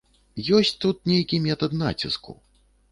Ёсць тут нейкі метад націску.